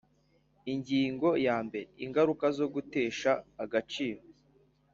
Ingingo ya mbere Ingaruka zo gutesha agaciro